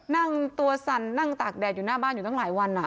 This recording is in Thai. นั่งตัวสั่นนั่งตากแดดอยู่หน้าบ้านอยู่ตั้งหลายวัน